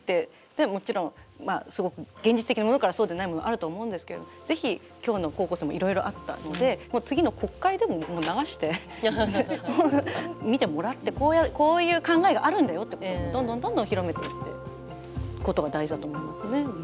もちろんすごく現実的なものからそうでないものはあると思うんですけれどぜひ今日の高校生もいろいろあったので次の国会でももう流して見てもらってこういう考えがあるんだよってこともどんどんどんどん広めていっていくことが大事だと思いますね。